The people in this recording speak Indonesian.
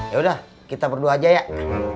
yaudah kita berdua aja ya